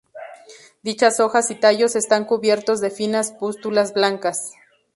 Dichas hojas y tallos están cubiertos de finas pústulas blancas.